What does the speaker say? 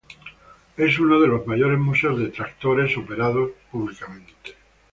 Es uno de los mayores museos de tractores operados públicamente.